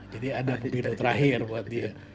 jadi ada perbedaan terakhir buat dia